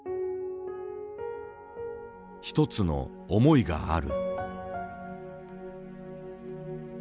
一つの思いがある。